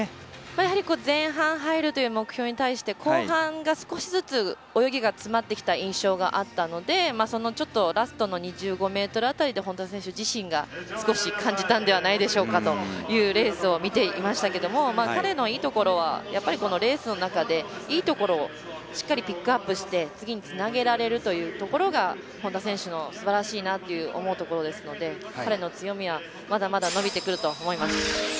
やはり、前半入るという目標に対して後半が少しずつ泳ぎが詰まってきた印象があったのでちょっとラストの２５ｍ辺りで本多選手自身が少し感じたんではないでしょうかというレースを見ていましたけども彼の、いいところはやっぱりレースの中でいいところをしっかりピックアップして次につなげられるというところが本多選手のすばらしいなと思うところですので彼の強みは、まだまだ伸びてくると思います。